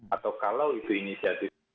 atau kalau itu inisiatif